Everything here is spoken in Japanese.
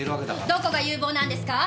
どこが有望なんですか！？